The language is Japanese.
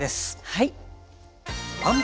はい。